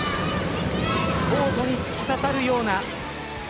コートに突き刺さるような。